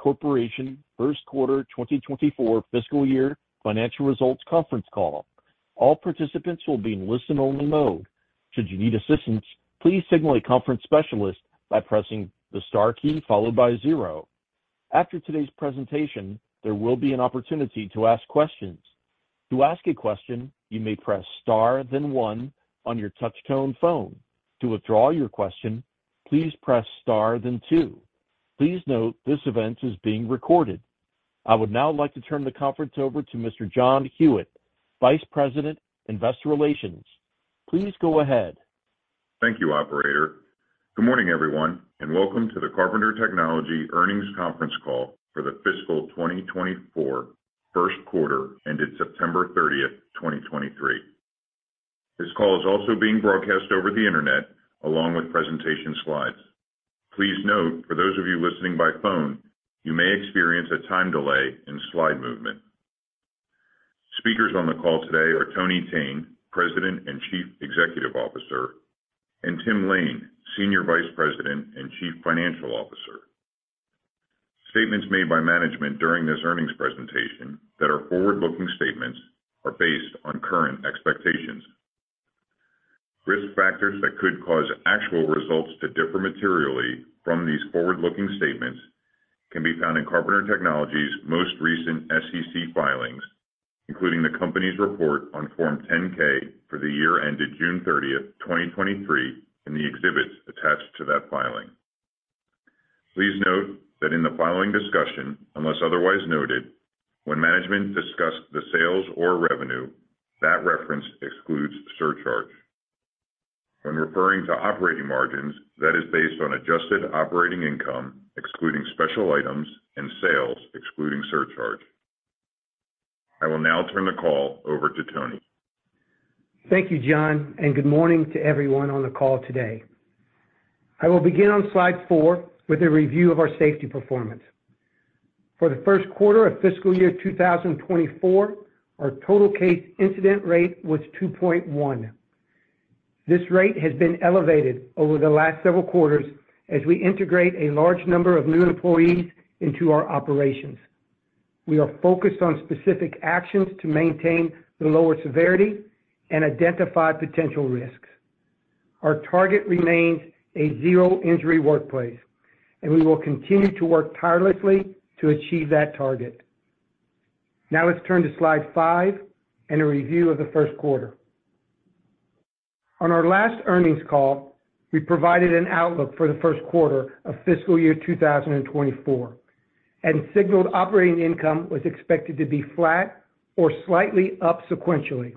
Corporation first quarter 2024 fiscal year financial results conference call. All participants will be in listen-only mode. Should you need assistance, please signal a conference specialist by pressing the star key followed by zero. After today's presentation, there will be an opportunity to ask questions. To ask a question, you may press star, then one on your touchtone phone. To withdraw your question, please press star, then two. Please note, this event is being recorded. I would now like to turn the conference over to Mr. John Huyette, Vice President, Investor Relations. Please go ahead. Thank you, operator. Good morning, everyone, and welcome to the Carpenter Technology Earnings Conference call for the fiscal 2024 first quarter ended September 30, 2023. This call is also being broadcast over the internet along with presentation slides. Please note, for those of you listening by phone, you may experience a time delay in slide movement. Speakers on the call today are Tony Thene, President and Chief Executive Officer, and Tim Lain, Senior Vice President and Chief Financial Officer. Statements made by management during this earnings presentation that are forward-looking statements are based on current expectations. Risk factors that could cause actual results to differ materially from these forward-looking statements can be found in Carpenter Technology's most recent SEC filings, including the company's report on Form 10-K for the year ended June 30, 2023, and the exhibits attached to that filing. Please note that in the following discussion, unless otherwise noted, when management discuss the sales or revenue, that reference excludes surcharge. When referring to operating margins, that is based on adjusted operating income, excluding special items and sales, excluding surcharge. I will now turn the call over to Tony. Thank you, John, and good morning to everyone on the call today. I will begin on slide 4 with a review of our safety performance. For the first quarter of fiscal year 2024, our total case incident rate was 2.1. This rate has been elevated over the last several quarters as we integrate a large number of new employees into our operations. We are focused on specific actions to maintain the lower severity and identify potential risks. Our target remains a zero injury workplace, and we will continue to work tirelessly to achieve that target. Now, let's turn to slide 5 and a review of the first quarter. On our last earnings call, we provided an outlook for the first quarter of fiscal year 2024, and signaled operating income was expected to be flat or slightly up sequentially,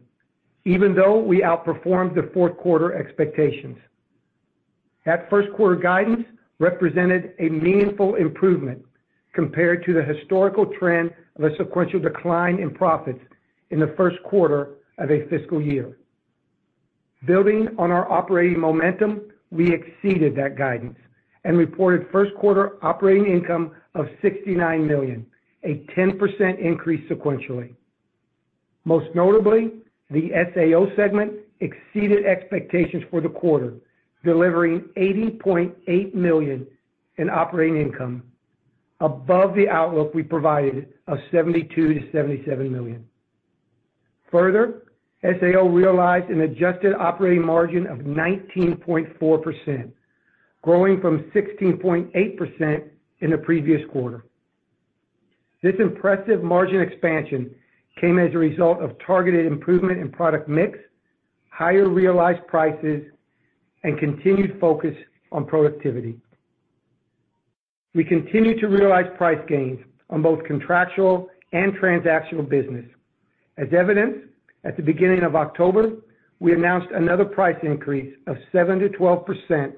even though we outperformed the fourth quarter expectations. That first quarter guidance represented a meaningful improvement compared to the historical trend of a sequential decline in profits in the first quarter of a fiscal year. Building on our operating momentum, we exceeded that guidance and reported first quarter operating income of $69,000,000, a 10% increase sequentially. Most notably, the SAO segment exceeded expectations for the quarter, delivering $80,800,000 in operating income, above the outlook we provided of $72,000,000-$77,000,000. Further, SAO realized an adjusted operating margin of 19.4%, growing from 16.8% in the previous quarter. This impressive margin expansion came as a result of targeted improvement in product mix, higher realized prices, and continued focus on productivity. We continue to realize price gains on both contractual and transactional business. As evidenced, at the beginning of October, we announced another price increase of 7%-12%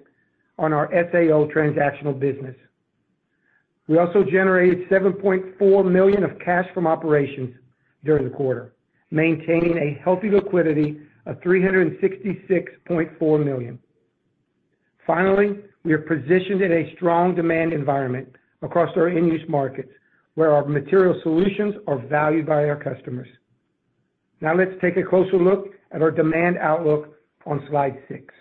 on our SAO transactional business. We also generated $7,400,000 of cash from operations during the quarter, maintaining a healthy liquidity of $366,400,000. Finally, we are positioned in a strong demand environment across our end-use markets, where our material solutions are valued by our customers. Now, let's take a closer look at our demand outlook on slide 6.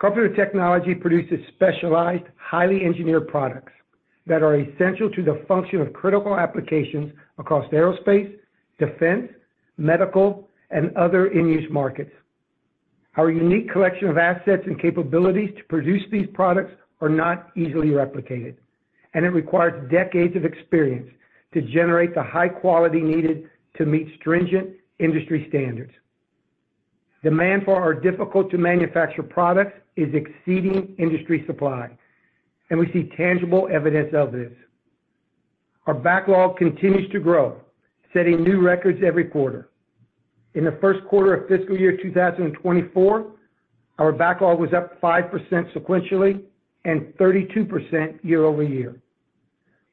Carpenter Technology produces specialized, highly engineered products that are essential to the function of critical applications across aerospace, defense, medical, and other end-use markets. Our unique collection of assets and capabilities to produce these products are not easily replicated, and it requires decades of experience to generate the high quality needed to meet stringent industry standards. Demand for our difficult-to-manufacture products is exceeding industry supply, and we see tangible evidence of this. Our backlog continues to grow, setting new records every quarter. In the first quarter of fiscal year 2024, our backlog was up 5% sequentially and 32% year-over-year.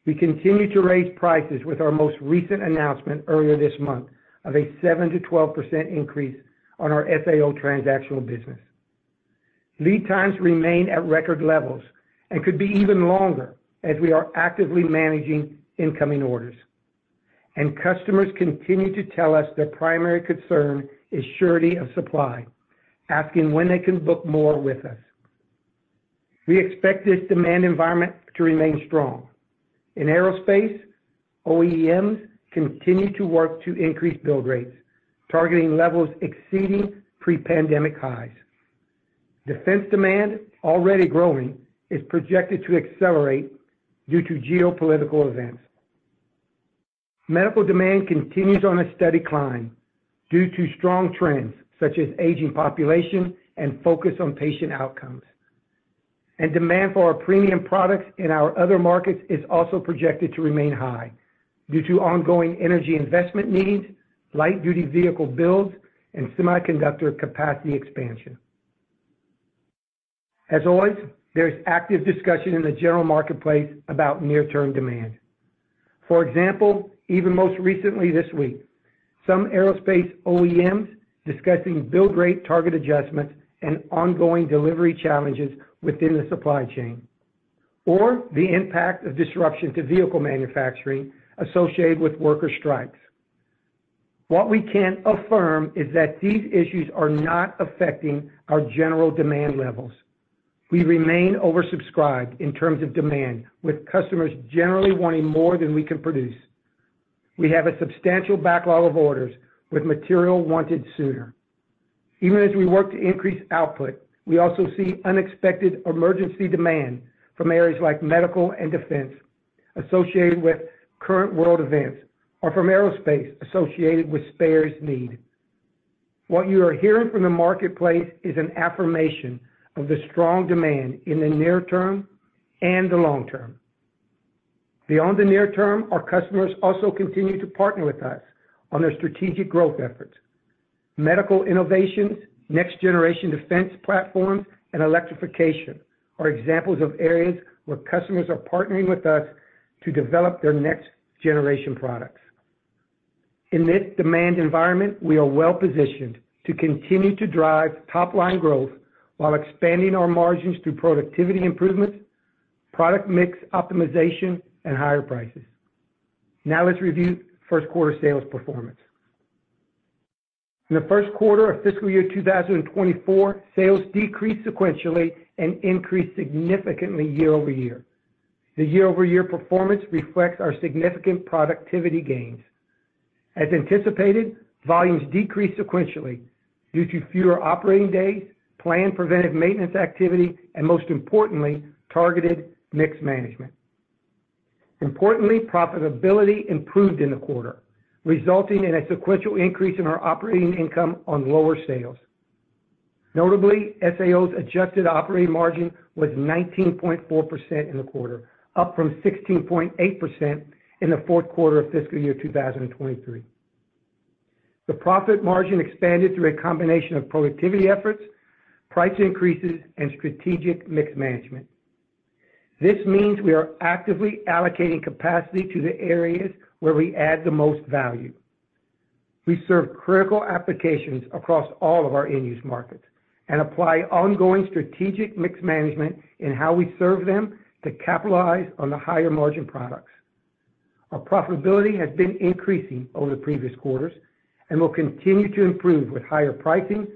We continue to raise prices with our most recent announcement earlier this month of a 7%-12% increase on our SAO transactional business. Lead times remain at record levels and could be even longer as we are actively managing incoming orders... and customers continue to tell us their primary concern is surety of supply, asking when they can book more with us. We expect this demand environment to remain strong. In aerospace, OEMs continue to work to increase build rates, targeting levels exceeding pre-pandemic highs. Defense demand, already growing, is projected to accelerate due to geopolitical events. Medical demand continues on a steady climb due to strong trends such as aging population and focus on patient outcomes. Demand for our premium products in our other markets is also projected to remain high due to ongoing energy investment needs, light-duty vehicle builds, and semiconductor capacity expansion. As always, there is active discussion in the general marketplace about near-term demand. For example, even most recently this week, some aerospace OEMs discussing build rate target adjustments and ongoing delivery challenges within the supply chain, or the impact of disruption to vehicle manufacturing associated with worker strikes. What we can affirm is that these issues are not affecting our general demand levels. We remain oversubscribed in terms of demand, with customers generally wanting more than we can produce. We have a substantial backlog of orders, with material wanted sooner. Even as we work to increase output, we also see unexpected emergency demand from areas like medical and defense, associated with current world events, or from aerospace, associated with spares need. What you are hearing from the marketplace is an affirmation of the strong demand in the near term and the long term. Beyond the near term, our customers also continue to partner with us on their strategic growth efforts. Medical innovations, next-generation defense platforms, and electrification are examples of areas where customers are partnering with us to develop their next-generation products. In this demand environment, we are well-positioned to continue to drive top-line growth while expanding our margins through productivity improvements, product mix optimization, and higher prices. Now let's review first quarter sales performance. In the first quarter of fiscal year 2024, sales decreased sequentially and increased significantly year-over-year. The year-over-year performance reflects our significant productivity gains. As anticipated, volumes decreased sequentially due to fewer operating days, planned preventive maintenance activity, and most importantly, targeted mix management. Importantly, profitability improved in the quarter, resulting in a sequential increase in our operating income on lower sales. Notably, SAO's adjusted operating margin was 19.4% in the quarter, up from 16.8% in the fourth quarter of fiscal year 2023. The profit margin expanded through a combination of productivity efforts, price increases, and strategic mix management. This means we are actively allocating capacity to the areas where we add the most value. We serve critical applications across all of our end-use markets and apply ongoing strategic mix management in how we serve them to capitalize on the higher-margin products. Our profitability has been increasing over the previous quarters and will continue to improve with higher pricing,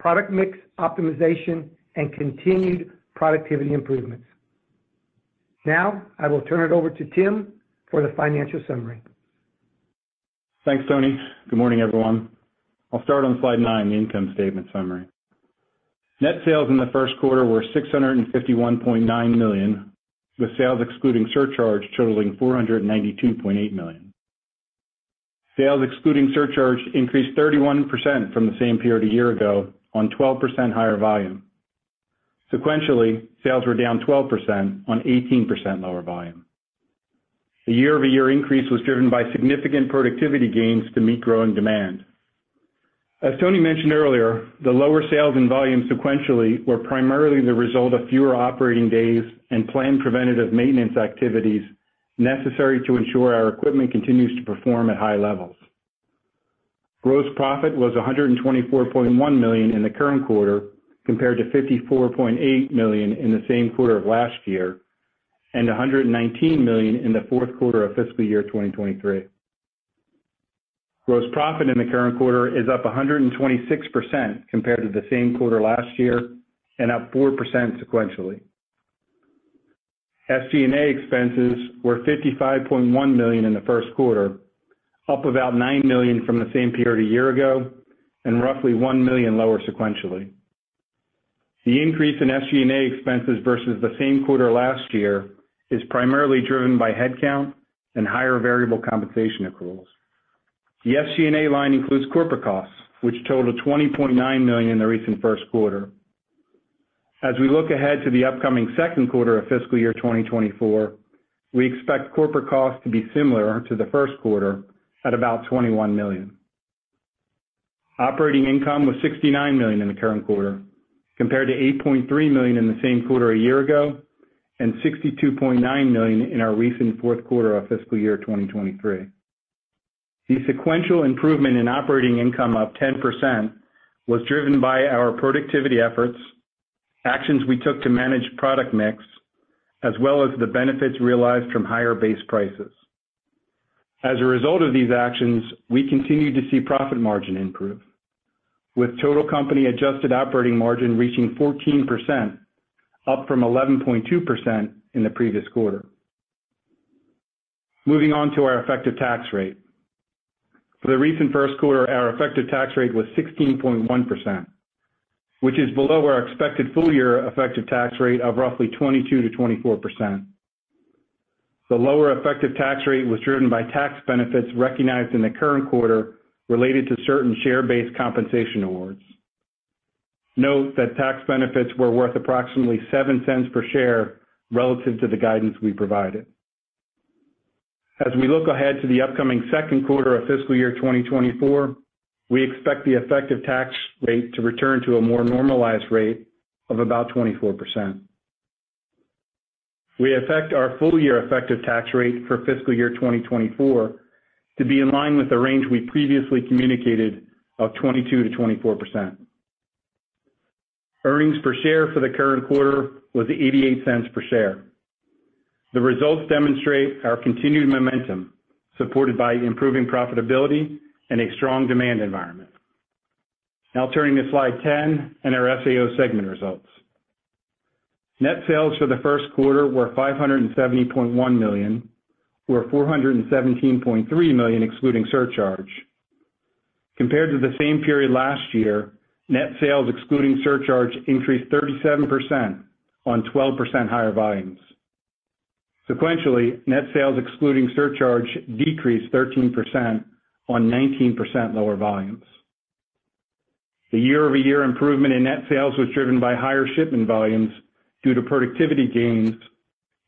product mix optimization, and continued productivity improvements. Now, I will turn it over to Tim for the financial summary. Thanks, Tony. Good morning, everyone. I'll start on slide 9, the income statement summary. Net sales in the first quarter were $651,900,000, with sales excluding surcharge totaling $492,800,000. Sales excluding surcharge increased 31% from the same period a year ago on 12% higher volume. Sequentially, sales were down 12% on 18% lower volume. The year-over-year increase was driven by significant productivity gains to meet growing demand. As Tony mentioned earlier, the lower sales and volume sequentially were primarily the result of fewer operating days and planned preventative maintenance activities necessary to ensure our equipment continues to perform at high levels. Gross profit was $124,100,000 in the current quarter, compared to $54,800,000 in the same quarter of last year, and $119,000,000 in the fourth quarter of fiscal year 2023. Gross profit in the current quarter is up 126% compared to the same quarter last year and up 4% sequentially. SG&A expenses were $55,100,000 in the first quarter, up about $9,000,000from the same period a year ago and roughly $1,000,000lower sequentially. The increase in SG&A expenses versus the same quarter last year is primarily driven by headcount and higher variable compensation accruals. The SG&A line includes corporate costs, which totaled $20,900,000 in the recent first quarter. As we look ahead to the upcoming second quarter of fiscal year 2024, we expect corporate costs to be similar to the first quarter at about $21,000,000. Operating income was $69,000,000in the current quarter, compared to $8,300,000 in the same quarter a year ago, and $62,900,000 in our recent fourth quarter of fiscal year 2023. The sequential improvement in operating income up 10% was driven by our productivity efforts, actions we took to manage product mix, as well as the benefits realized from higher base prices. As a result of these actions, we continue to see profit margin improve, with total company adjusted operating margin reaching 14%, up from 11.2% in the previous quarter. Moving on to our effective tax rate. For the recent first quarter, our effective tax rate was 16.1%, which is below our expected full year effective tax rate of roughly 22%-24%. The lower effective tax rate was driven by tax benefits recognized in the current quarter related to certain share-based compensation awards. Note that tax benefits were worth approximately $0.07 per share relative to the guidance we provided. As we look ahead to the upcoming second quarter of fiscal year 2024, we expect the effective tax rate to return to a more normalized rate of about 24%. We expect our full year effective tax rate for fiscal year 2024 to be in line with the range we previously communicated of 22%-24%. Earnings per share for the current quarter was $0.88 per share. The results demonstrate our continued momentum, supported by improving profitability and a strong demand environment. Now turning to slide 10 and our SAO segment results. Net sales for the first quarter were $570,100,000, or $417,300,000, excluding surcharge. Compared to the same period last year, net sales excluding surcharge increased 37% on 12% higher volumes. Sequentially, net sales excluding surcharge decreased 13% on 19% lower volumes. The year-over-year improvement in net sales was driven by higher shipment volumes due to productivity gains,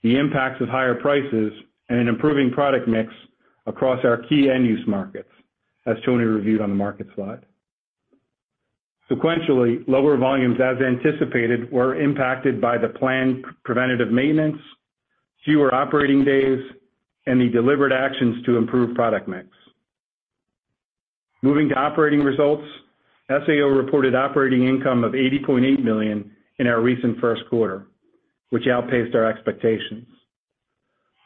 the impacts of higher prices, and an improving product mix across our key end-use markets, as Tony reviewed on the market slide. Sequentially, lower volumes, as anticipated, were impacted by the planned preventative maintenance, fewer operating days, and the deliberate actions to improve product mix. Moving to operating results, SAO reported operating income of $80,800,000 in our recent first quarter, which outpaced our expectations.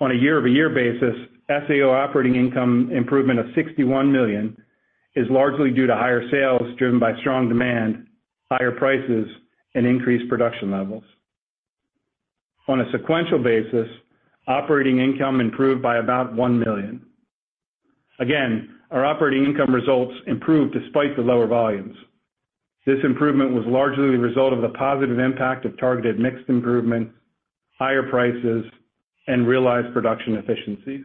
On a year-over-year basis, SAO operating income improvement of $61,000,000 is largely due to higher sales, driven by strong demand, higher prices, and increased production levels. On a sequential basis, operating income improved by about $1,000,000. Again, our operating income results improved despite the lower volumes. This improvement was largely the result of the positive impact of targeted mixed improvement, higher prices, and realized production efficiencies.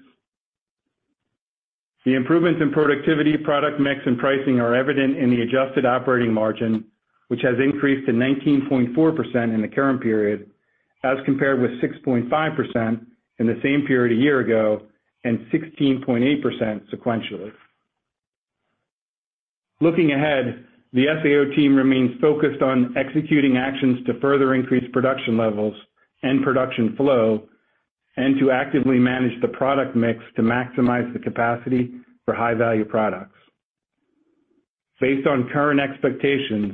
The improvements in productivity, product mix, and pricing are evident in the adjusted operating margin, which has increased to 19.4% in the current period, as compared with 6.5% in the same period a year ago, and 16.8% sequentially. Looking ahead, the SAO team remains focused on executing actions to further increase production levels and production flow, and to actively manage the product mix to maximize the capacity for high-value products. Based on current expectations,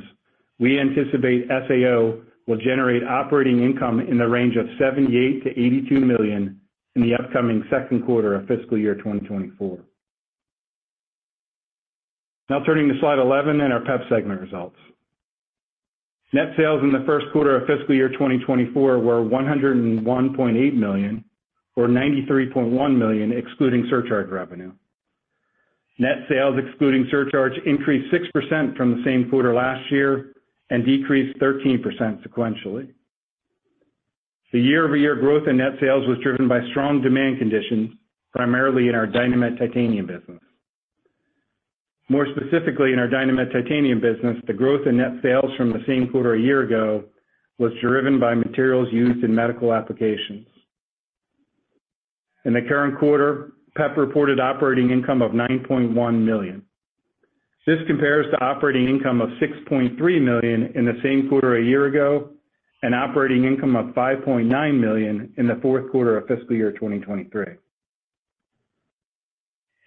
we anticipate SAO will generate operating income in the range of $78,000,000-$82,000,000 in the upcoming second quarter of fiscal year 2024. Now turning to slide 11 and our PEP segment results. Net sales in the first quarter of fiscal year 2024 were $101,800,000, or $93,100,000, excluding surcharge revenue. Net sales, excluding surcharge, increased 6% from the same quarter last year and decreased 13% sequentially. The year-over-year growth in net sales was driven by strong demand conditions, primarily in our Dynamet titanium business. More specifically, in our Dynamet titanium business, the growth in net sales from the same quarter a year ago was driven by materials used in medical applications. In the current quarter, PEP reported operating income of $9,100,000. This compares to operating income of $6,300,000 in the same quarter a year ago, and operating income of $5,900,000 in the fourth quarter of fiscal year 2023.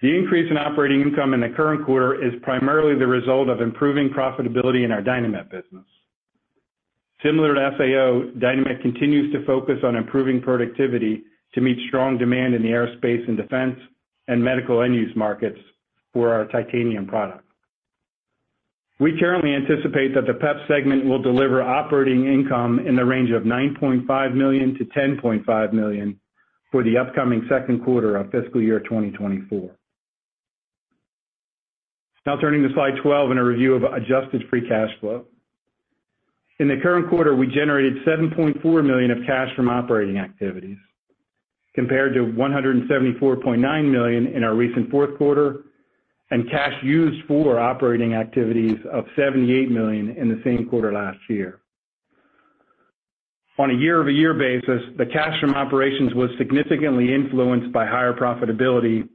The increase in operating income in the current quarter is primarily the result of improving profitability in our Dynamet business. Similar to SAO, Dynamet continues to focus on improving productivity to meet strong demand in the aerospace and defense and medical end-use markets for our titanium product. We currently anticipate that the PEP segment will deliver operating income in the range of $9,500,000-$10,500,000 for the upcoming second quarter of fiscal year 2024. Now turning to slide 12, and a review of adjusted free cash flow. In the current quarter, we generated $7,400,000 of cash from operating activities, compared to $174,900,000 in our recent fourth quarter, and cash used for operating activities of $78,000,000in the same quarter last year. On a year-over-year basis, the cash from operations was significantly influenced by higher profitability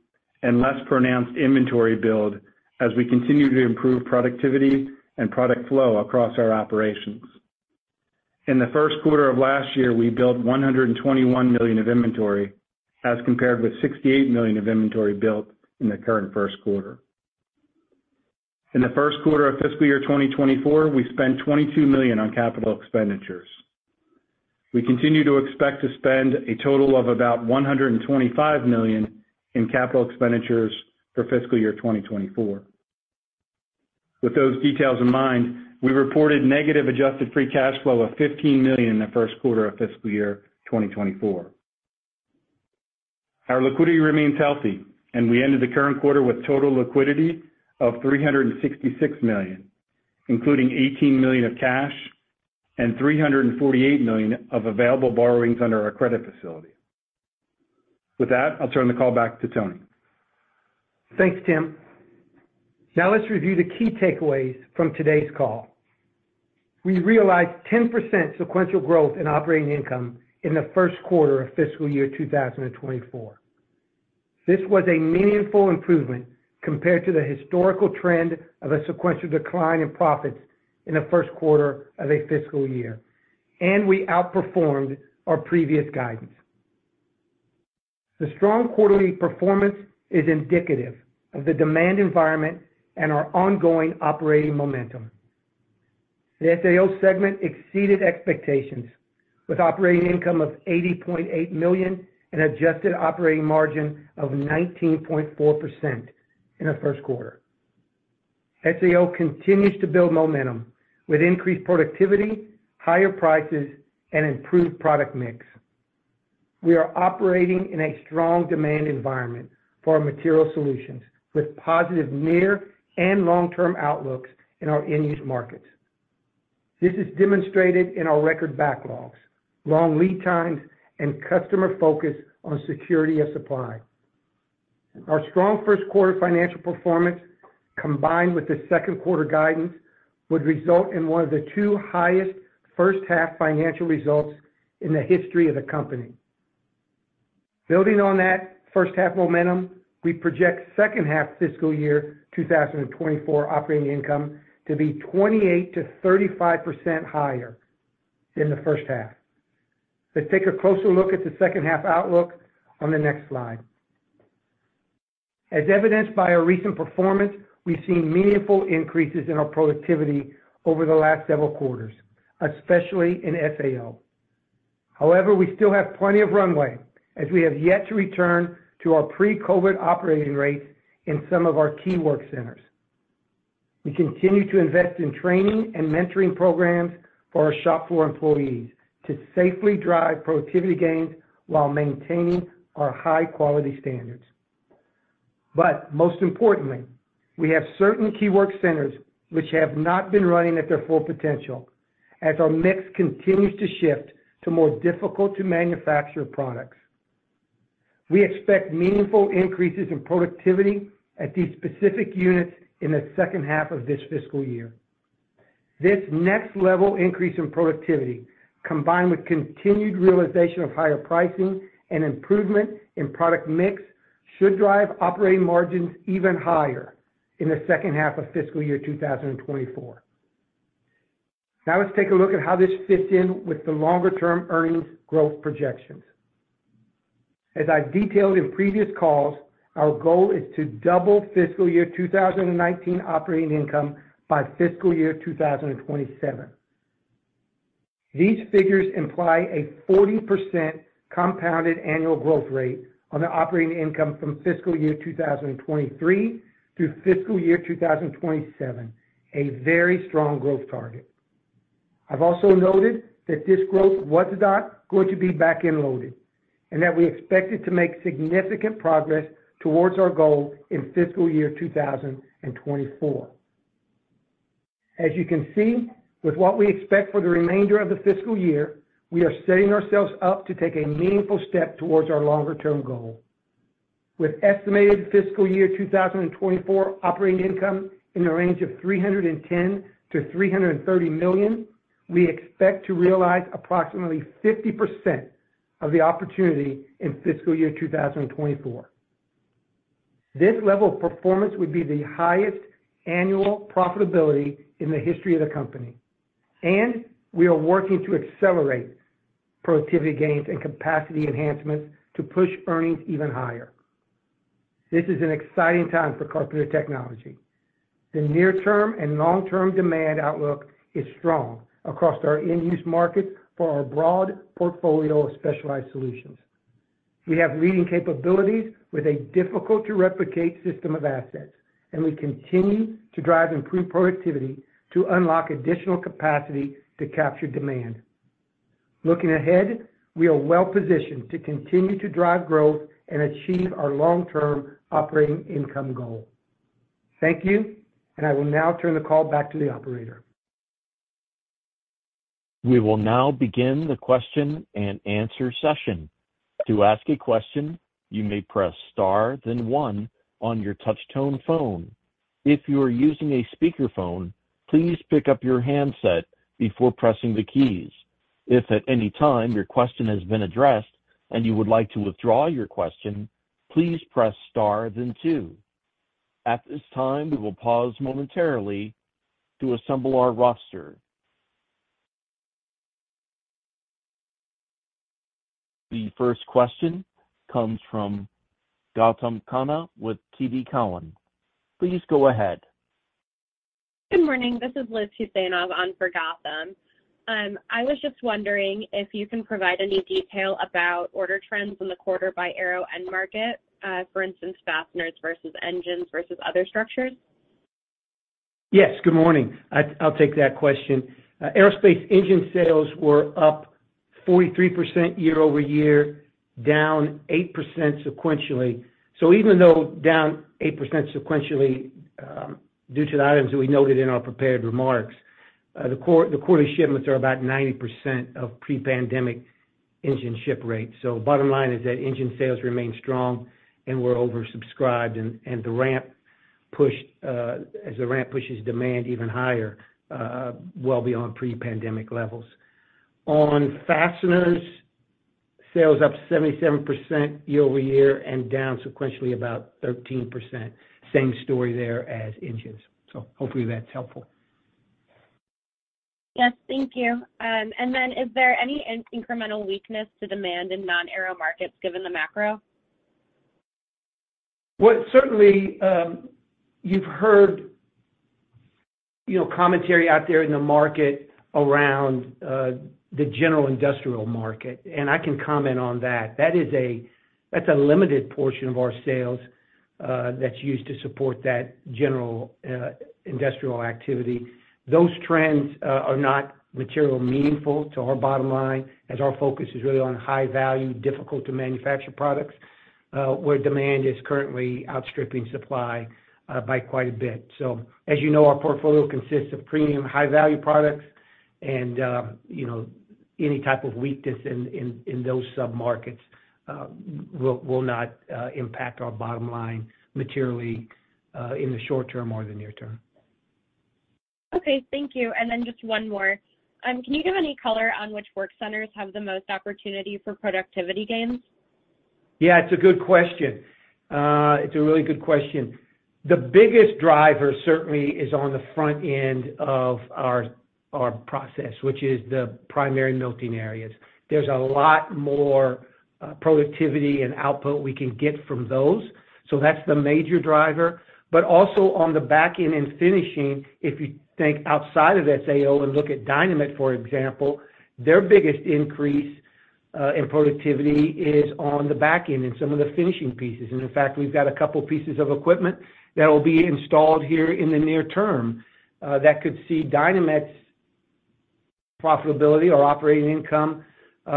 and less pronounced inventory build as we continue to improve productivity and product flow across our operations. In the first quarter of last year, we built $121,000,000 of inventory, as compared with $68,000,000 of inventory built in the current first quarter. In the first quarter of fiscal year 2024, we spent $22,000,000 on capital expenditures. We continue to expect to spend a total of about $125,000,000 in capital expenditures for fiscal year 2024. With those details in mind, we reported negative adjusted free cash flow of $15,000,000 in the first quarter of fiscal year 2024. Our liquidity remains healthy, and we ended the current quarter with total liquidity of $366,000,000, including $18,000,000 of cash and $348,000,000 of available borrowings under our credit facility. With that, I'll turn the call back to Tony. Thanks, Tim. Now let's review the key takeaways from today's call. We realized 10% sequential growth in operating income in the first quarter of fiscal year 2024. This was a meaningful improvement compared to the historical trend of a sequential decline in profits in the first quarter of a fiscal year, and we outperformed our previous guidance. The strong quarterly performance is indicative of the demand environment and our ongoing operating momentum. The SAO segment exceeded expectations, with operating income of $80,800,000 and adjusted operating margin of 19.4% in the first quarter. SAO continues to build momentum with increased productivity, higher prices, and improved product mix. We are operating in a strong demand environment for our material solutions, with positive near and long-term outlooks in our end-use markets. This is demonstrated in our record backlogs, long lead times, and customer focus on security of supply. Our strong first quarter financial performance, combined with the second quarter guidance, would result in one of the two highest first half financial results in the history of the company. Building on that first half momentum, we project second half fiscal year 2024 operating income to be 28%-35% higher than the first half. Let's take a closer look at the second half outlook on the next slide. As evidenced by our recent performance, we've seen meaningful increases in our productivity over the last several quarters, especially in SAO. However, we still have plenty of runway, as we have yet to return to our pre-COVID operating rates in some of our key work centers. We continue to invest in training and mentoring programs for our shop floor employees to safely drive productivity gains while maintaining our high-quality standards. But most importantly, we have certain key work centers which have not been running at their full potential, as our mix continues to shift to more difficult-to-manufacture products. We expect meaningful increases in productivity at these specific units in the second half of this fiscal year. This next level increase in productivity, combined with continued realization of higher pricing and improvement in product mix, should drive operating margins even higher in the second half of fiscal year 2024. Now, let's take a look at how this fits in with the longer-term earnings growth projections. As I've detailed in previous calls, our goal is to double fiscal year 2019 operating income by fiscal year 2027. These figures imply a 40% compound annual growth rate on the operating income from fiscal year 2023 through fiscal year 2027, a very strong growth target. I've also noted that this growth was not going to be back-end loaded, and that we expected to make significant progress towards our goal in fiscal year 2024. As you can see, with what we expect for the remainder of the fiscal year, we are setting ourselves up to take a meaningful step towards our longer-term goal. With estimated fiscal year 2024 operating income in the range of $310,000,000-$330,000,000, we expect to realize approximately 50% of the opportunity in fiscal year 2024. This level of performance would be the highest annual profitability in the history of the company, and we are working to accelerate productivity gains and capacity enhancements to push earnings even higher. This is an exciting time for Carpenter Technology. The near-term and long-term demand outlook is strong across our end-use markets for our broad portfolio of specialized solutions. We have leading capabilities with a difficult-to-replicate system of assets, and we continue to drive improved productivity to unlock additional capacity to capture demand. Looking ahead, we are well positioned to continue to drive growth and achieve our long-term operating income goal. Thank you, and I will now turn the call back to the operator. We will now begin the question and answer session. To ask a question, you may press star, then one on your touchtone phone. If you are using a speakerphone, please pick up your handset before pressing the keys. If at any time your question has been addressed and you would like to withdraw your question, please press star, then two. At this time, we will pause momentarily to assemble our roster.... The first question comes from Gautam Khanna with TD Cowen. Please go ahead. Good morning. This is Liz Higson on for Gautam. I was just wondering if you can provide any detail about order trends in the quarter by aero end market, for instance, fasteners versus engines versus other structures? Yes. Good morning. I, I'll take that question. Aerospace engine sales were up 43% year-over-year, down 8% sequentially. So even though down 8% sequentially, due to the items that we noted in our prepared remarks, the quarterly shipments are about 90% of pre-pandemic engine ship rates. So bottom line is that engine sales remain strong, and we're oversubscribed, and the ramp push, as the ramp pushes demand even higher, well beyond pre-pandemic levels. On fasteners, sales up 77% year-over-year and down sequentially about 13%. Same story there as engines. So hopefully that's helpful. Yes, thank you. And then is there any incremental weakness to demand in non-aero markets given the macro? Well, certainly, you've heard, you know, commentary out there in the market around the general industrial market, and I can comment on that. That's a limited portion of our sales that's used to support that general industrial activity. Those trends are not materially meaningful to our bottom line, as our focus is really on high value, difficult to manufacture products where demand is currently outstripping supply by quite a bit. So, as you know, our portfolio consists of premium, high value products, and you know, any type of weakness in those submarkets will not impact our bottom line materially in the short term or the near term. Okay, thank you. And then just one more. Can you give any color on which work centers have the most opportunity for productivity gains? Yeah, it's a good question. It's a really good question. The biggest driver certainly is on the front end of our, our process, which is the primary melting areas. There's a lot more productivity and output we can get from those, so that's the major driver. But also on the back end in finishing, if you think outside of SAO and look at Dynamet, for example, their biggest increase in productivity is on the back end in some of the finishing pieces. And in fact, we've got a couple pieces of equipment that will be installed here in the near term that could see Dynamet's profitability or operating income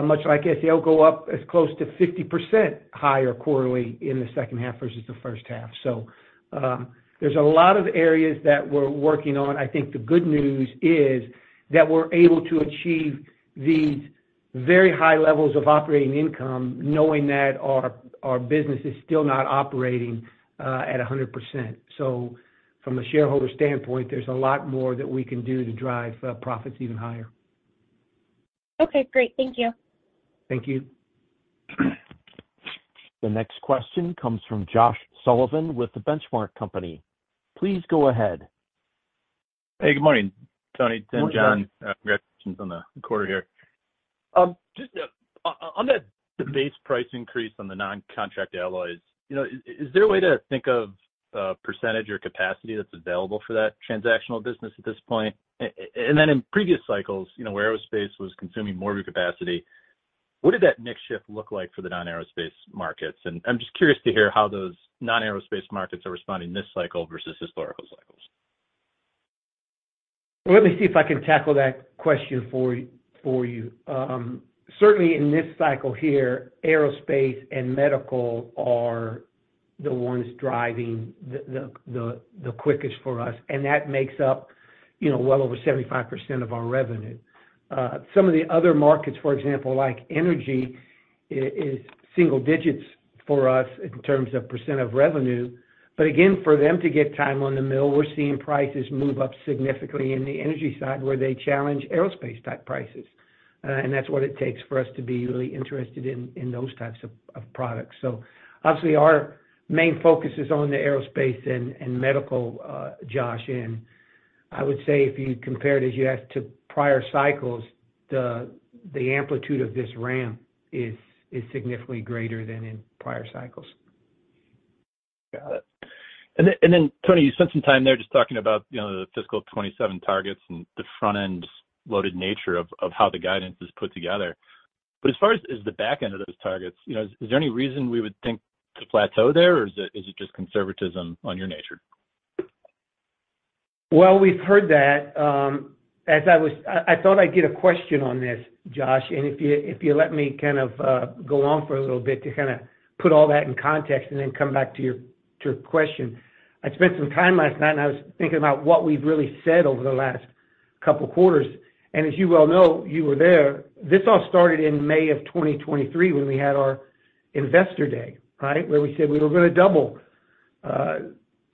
much like SAO, go up as close to 50% higher quarterly in the second half versus the first half. So, there's a lot of areas that we're working on. I think the good news is that we're able to achieve these very high levels of operating income, knowing that our business is still not operating at 100%. So from a shareholder standpoint, there's a lot more that we can do to drive profits even higher. Okay, great. Thank you. Thank you. The next question comes from Josh Sullivan with The Benchmark Company. Please go ahead. Hey, good morning, Tony, Tim, John. Good morning. Congrats on the quarter here. Just, on the base price increase on the non-contract alloys, you know, is there a way to think of percentage or capacity that's available for that transactional business at this point? And then in previous cycles, you know, where aerospace was consuming more of your capacity, what did that mix shift look like for the non-aerospace markets? And I'm just curious to hear how those non-aerospace markets are responding this cycle versus historical cycles. Let me see if I can tackle that question for you, for you. Certainly in this cycle here, aerospace and medical are the ones driving the quickest for us, and that makes up, you know, well over 75% of our revenue. Some of the other markets, for example, like energy, is single digits for us in terms of percent of revenue. But again, for them to get time on the mill, we're seeing prices move up significantly in the energy side, where they challenge aerospace-type prices. And that's what it takes for us to be really interested in those types of products. So obviously, our main focus is on the aerospace and medical, Josh. I would say if you compare it, as you asked, to prior cycles, the amplitude of this ramp is significantly greater than in prior cycles. Got it. And then, and then Tony, you spent some time there just talking about, you know, the fiscal 27 targets and the front-end loaded nature of, of how the guidance is put together. But as far as is the back end of those targets, you know, is there any reason we would think to plateau there, or is it, is it just conservatism on your nature? Well, we've heard that, as I was—I thought I'd get a question on this, Josh, if you let me kind of go on for a little bit to kind of put all that in context and then come back to your question. I spent some time last night, and I was thinking about what we've really said over the last couple quarters. As you well know, you were there, this all started in May of 2023, when we had our investor day, right? Where we said we were gonna double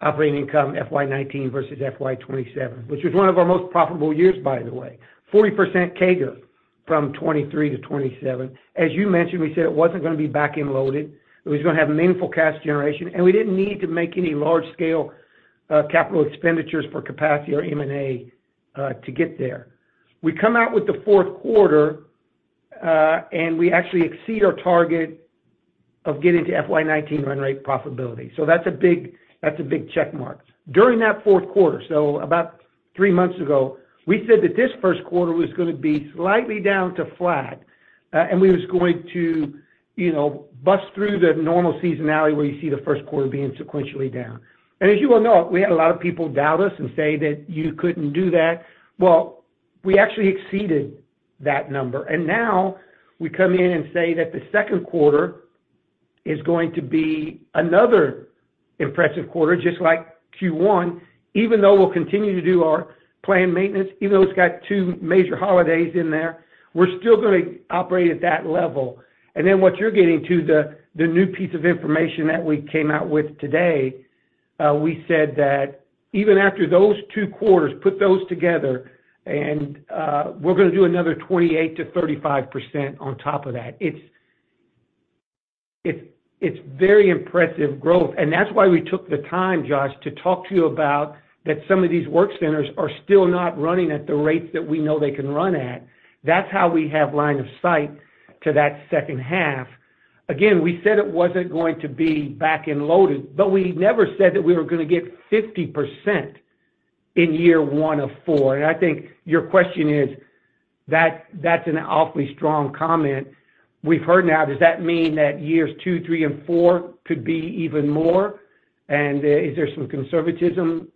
operating income FY19 versus FY27, which was one of our most profitable years, by the way, 40% CAGR from 2023 to 2027. As you mentioned, we said it wasn't gonna be back-end loaded, it was gonna have meaningful cash generation, and we didn't need to make any large-scale capital expenditures for capacity or M&A to get there. We come out with the fourth quarter, and we actually exceed our target of getting to FY 2019 run rate profitability. So that's a big, that's a big check mark. During that fourth quarter, so about three months ago, we said that this first quarter was gonna be slightly down to flat, and we was going to, you know, bust through the normal seasonality where you see the first quarter being sequentially down. As you well know, we had a lot of people doubt us and say that you couldn't do that. Well, we actually exceeded that number. Now we come in and say that the second quarter is going to be another impressive quarter, just like Q1, even though we'll continue to do our planned maintenance, even though it's got two major holidays in there, we're still gonna operate at that level. And then what you're getting to, the new piece of information that we came out with today, we said that even after those two quarters, put those together and we're gonna do another 28%-35% on top of that. It's very impressive growth, and that's why we took the time, Josh, to talk to you about that some of these work centers are still not running at the rates that we know they can run at. That's how we have line of sight to that second half. Again, we said it wasn't going to be back and loaded, but we never said that we were gonna get 50% in year one of four. And I think your question is, that that's an awfully strong comment we've heard. Now, does that mean that years two, three, and four could be even more? And is there some conservatism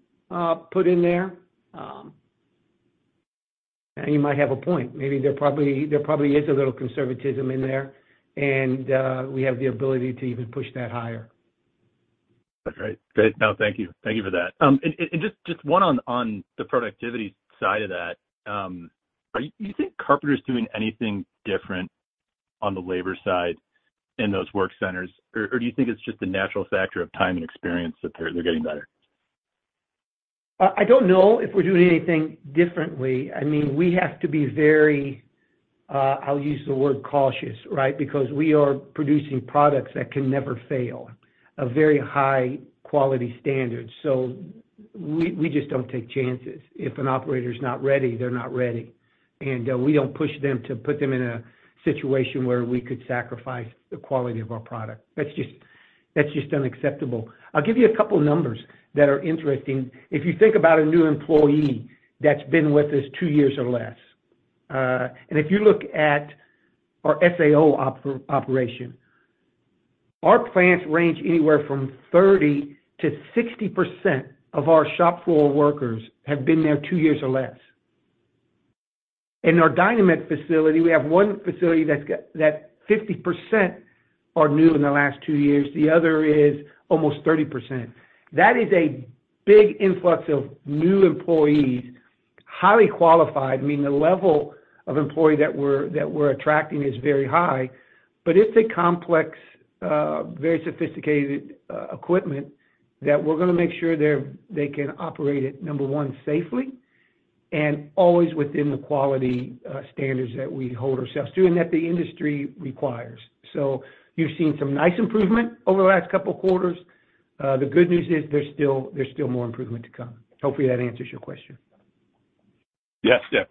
put in there? And you might have a point. Maybe there probably is a little conservatism in there, and we have the ability to even push that higher. Okay, great. No, thank you. Thank you for that. And just one on the productivity side of that, are you—do you think Carpenter's doing anything different on the labor side in those work centers, or do you think it's just a natural factor of time and experience that they're getting better? I don't know if we're doing anything differently. I mean, we have to be very, I'll use the word cautious, right? Because we are producing products that can never fail, a very high quality standard. So we, we just don't take chances. If an operator's not ready, they're not ready, and, we don't push them to put them in a situation where we could sacrifice the quality of our product. That's just, that's just unacceptable. I'll give you a couple of numbers that are interesting. If you think about a new employee that's been with us two years or less, and if you look at our SAO operation, our plants range anywhere from 30%-60% of our shop floor workers have been there two years or less. In our Dynamet facility, we have one facility that's got that 50% are new in the last two years, the other is almost 30%. That is a big influx of new employees, highly qualified, meaning the level of employee that we're attracting is very high. But it's a complex, very sophisticated, equipment that we're gonna make sure they can operate it, number one, safely and always within the quality standards that we hold ourselves to and that the industry requires. So you've seen some nice improvement over the last couple of quarters. The good news is there's still more improvement to come. Hopefully, that answers your question. Yes, yeah.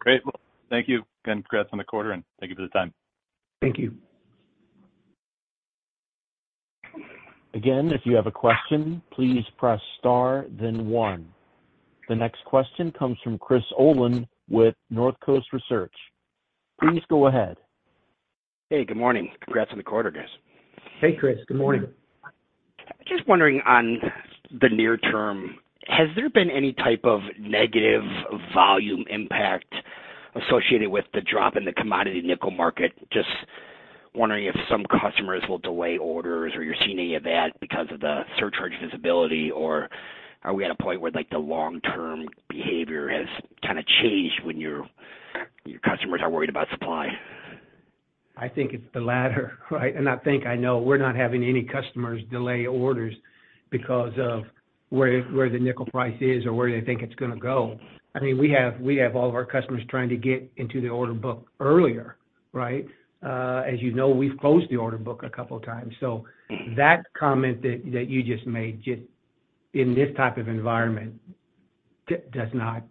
Great. Well, thank you, and congrats on the quarter, and thank you for the time. Thank you. Again, if you have a question, please press Star, then One. The next question comes from Chris Olin with North Coast Research. Please go ahead. Hey, good morning. Congrats on the quarter, guys. Hey, Chris, good morning. Just wondering on the near term, has there been any type of negative volume impact associated with the drop in the commodity nickel market? Just wondering if some customers will delay orders, or you're seeing any of that because of the surcharge visibility, or are we at a point where, like, the long-term behavior has kind of changed when your, your customers are worried about supply? I think it's the latter, right? And I think I know we're not having any customers delay orders because of where the nickel price is or where they think it's gonna go. I mean, we have all of our customers trying to get into the order book earlier, right? As you know, we've closed the order book a couple of times. So that comment that you just made, just in this type of environment, does not.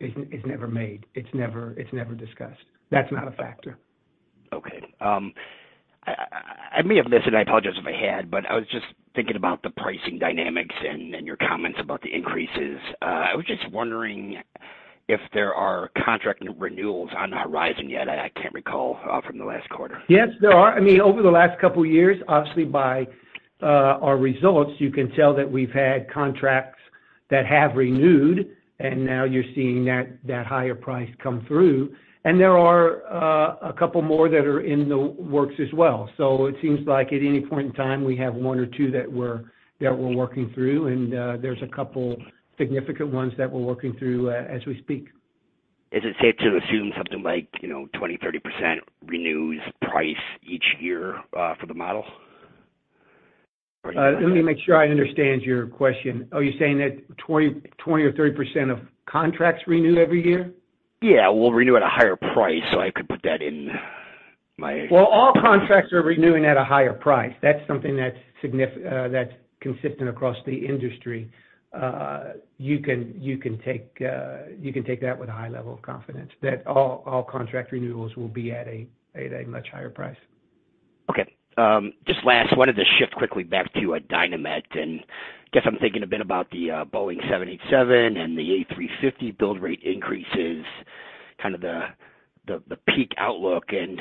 It's never made. It's never discussed. That's not a factor. Okay. I may have missed, and I apologize if I had, but I was just thinking about the pricing dynamics and your comments about the increases. I was just wondering if there are contract renewals on the horizon, yet I can't recall from the last quarter. Yes, there are. I mean, over the last couple of years, obviously by our results, you can tell that we've had contracts that have renewed, and now you're seeing that higher price come through. And there are a couple more that are in the works as well. So it seems like at any point in time, we have one or two that we're working through, and there's a couple significant ones that we're working through as we speak. Is it safe to assume something like, you know, 20-30% renews price each year for the model? Let me make sure I understand your question. Oh, you're saying that 20, 20 or 30% of contracts renew every year? Yeah, will renew at a higher price, so I could put that in.... Well, all contracts are renewing at a higher price. That's something that's consistent across the industry. You can take that with a high level of confidence, that all contract renewals will be at a much higher price. Okay. Just last, wanted to shift quickly back to Dynamet, and guess I'm thinking a bit about the Boeing 787 and the A350 build rate increases, kind of the peak outlook. And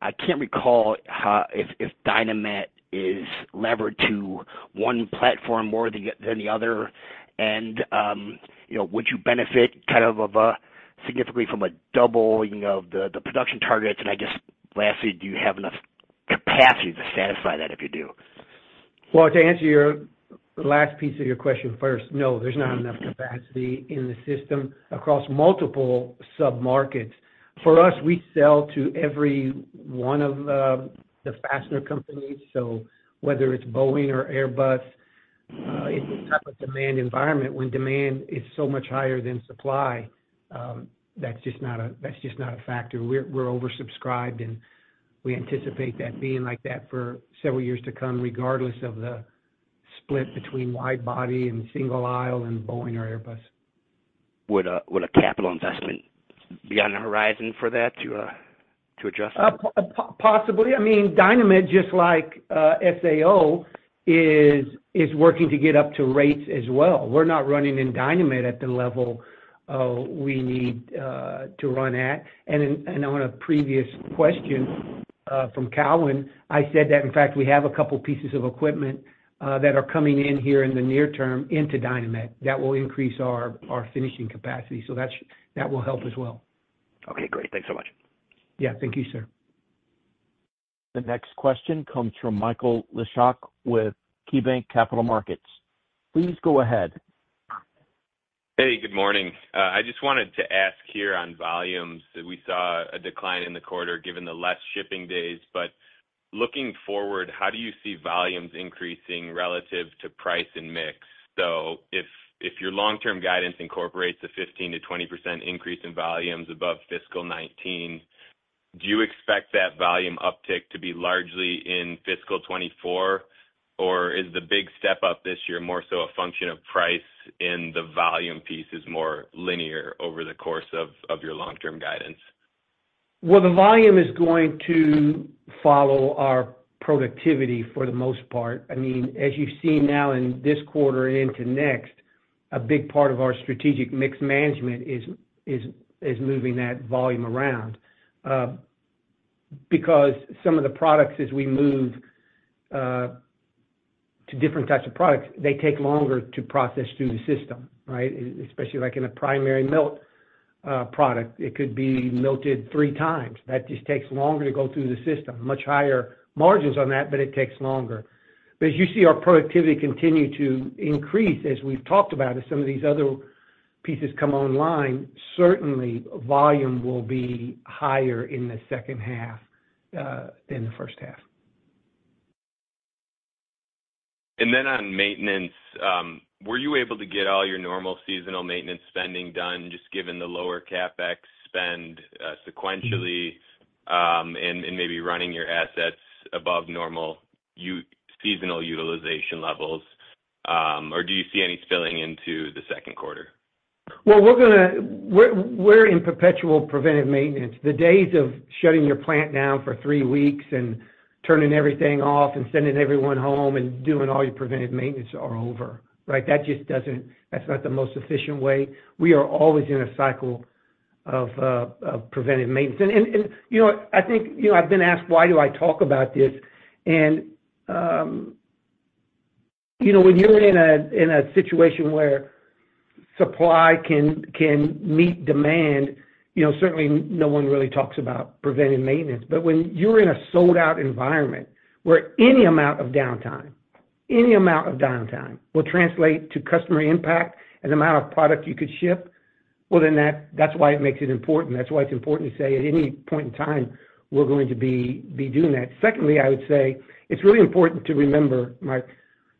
I can't recall how—if Dynamet is levered to one platform more than the other, and you know, would you benefit kind of significantly from a doubling of the production targets? And I just, lastly, do you have enough capacity to satisfy that if you do? Well, to answer your last piece of your question first, no, there's not enough capacity in the system across multiple submarkets. For us, we sell to every one of the fastener companies, so whether it's Boeing or Airbus, in this type of demand environment, when demand is so much higher than supply, that's just not a factor. We're oversubscribed, and we anticipate that being like that for several years to come, regardless of the split between wide-body and single aisle, and Boeing or Airbus. Would a capital investment be on the horizon for that to adjust? Possibly. I mean, Dynamet, just like SAO, is working to get up to rates as well. We're not running in Dynamet at the level we need to run at. And on a previous question from Cowen, I said that, in fact, we have a couple pieces of equipment that are coming in here in the near term into Dynamet that will increase our finishing capacity, so that will help as well. Okay, great. Thanks so much. Yeah, thank you, sir. The next question comes from Michael Leshock with KeyBanc Capital Markets. Please go ahead. Hey, good morning. I just wanted to ask here on volumes, we saw a decline in the quarter given the less shipping days. But looking forward, how do you see volumes increasing relative to price and mix? So if, if your long-term guidance incorporates a 15%-20% increase in volumes above fiscal 2019, do you expect that volume uptick to be largely in fiscal 2024? Or is the big step-up this year more so a function of price, and the volume piece is more linear over the course of, of your long-term guidance? Well, the volume is going to follow our productivity for the most part. I mean, as you've seen now in this quarter and into next, a big part of our strategic mix management is moving that volume around. Because some of the products, as we move to different types of products, they take longer to process through the system, right? Especially like in a primary melt product, it could be melted three times. That just takes longer to go through the system. Much higher margins on that, but it takes longer. But as you see our productivity continue to increase, as we've talked about, as some of these other pieces come online, certainly volume will be higher in the second half than the first half. And then on maintenance, were you able to get all your normal seasonal maintenance spending done, just given the lower CapEx spend, sequentially, and maybe running your assets above normal seasonal utilization levels? Or do you see any spilling into the second quarter? Well, we're in perpetual preventive maintenance. The days of shutting your plant down for three weeks and turning everything off and sending everyone home and doing all your preventive maintenance are over, right? That just doesn't. That's not the most efficient way. We are always in a cycle of preventive maintenance. And you know, I think, you know, I've been asked why do I talk about this? And you know, when you're in a situation where supply can meet demand, you know, certainly no one really talks about preventive maintenance. But when you're in a sold-out environment where any amount of downtime will translate to customer impact and the amount of product you could ship, well, then that's why it makes it important. That's why it's important to say, at any point in time, we're going to be doing that. Secondly, I would say, it's really important to remember, Mike,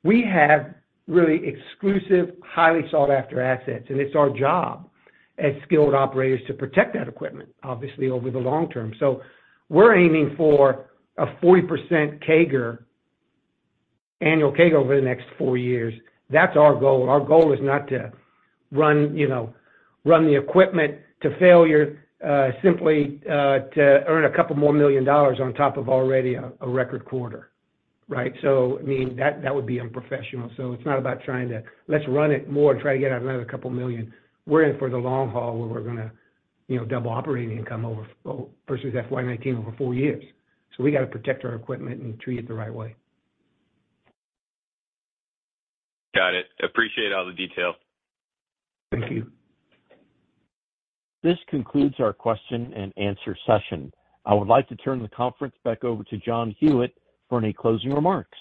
we have really exclusive, highly sought-after assets, and it's our job as skilled operators to protect that equipment, obviously, over the long term. We're aiming for a 40% CAGR, annual CAGR, over the next four years. That's our goal. Our goal is not to run, you know, run the equipment to failure, simply, to earn a couple more million dollars on top of already a, a record quarter, right? I mean, that would be unprofessional. It's not about trying to -- let's run it more and try to get out another couple million. We're in it for the long haul, where we're gonna, you know, double operating income over versus FY 2019 over four years. We got to protect our equipment and treat it the right way. Got it. Appreciate all the detail. Thank you. This concludes our question-and-answer session. I would like to turn the conference back over to John Huyette for any closing remarks.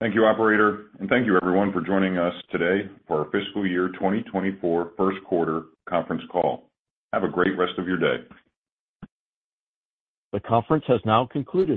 Thank you, Operator, and thank you everyone for joining us today for our fiscal year 2024 first quarter conference call. Have a great rest of your day. The conference has now concluded.